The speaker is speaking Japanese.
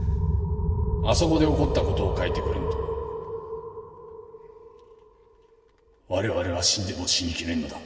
あそこで起こった事を描いてくれんと我々は死んでも死にきれんのだ。